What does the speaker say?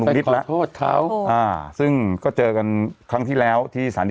นิดแล้วโทษเขาอ่าซึ่งก็เจอกันครั้งที่แล้วที่สถานี